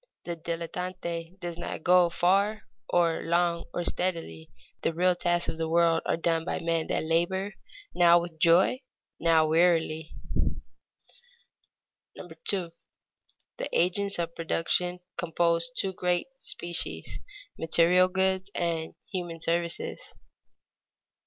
The dilettante does not go far or long or steadily; the real tasks of the world are done by men that labor, now with joy, now wearily. [Sidenote: The distinction between men and things] 2. _The agents of production compose two great species, material goods and human services.